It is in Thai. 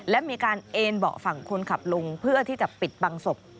และมีการเอ็นเบาะฝั่งคนขับลงเพื่อที่จะปิดบังศพ